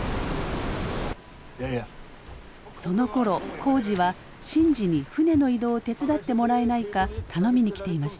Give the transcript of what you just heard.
そのころ耕治は新次に船の移動を手伝ってもらえないか頼みに来ていました。